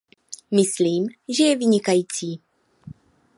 Myslím, že je vynikající.